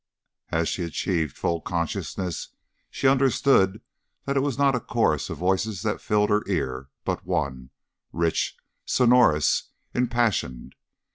As she achieved full consciousness, she understood that it was not a chorus of voices that filled her ear, but one, rich, sonorous, impassioned.